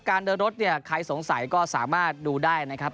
การเดินรถใครสงสัยก็สามารถดูได้นะครับ